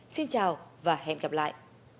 xin chào và hẹn gặp lại